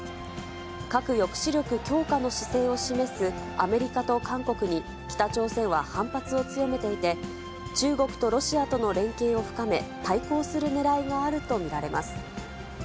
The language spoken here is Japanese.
核抑止力強化の姿勢を示すアメリカと韓国に、北朝鮮は反発を強めていて、中国とロシアとの連携を深め、対抗するねらいがあると見られます。